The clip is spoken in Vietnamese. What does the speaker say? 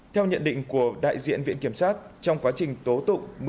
theo nhận định của đại diện viện kiểm sát trong quá trình tố tụng